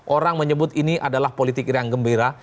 orang menyebut ini adalah politik yang gembira